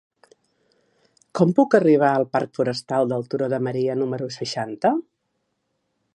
Com puc arribar al parc Forestal del Turó de Maria número seixanta?